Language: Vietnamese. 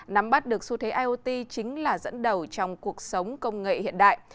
nắm bắt được xu thế iot chính là dẫn đầu trong cuộc sống công nghệ hiện đại